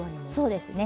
そうですね